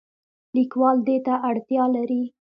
لیکوال دې ته اړتیا لري.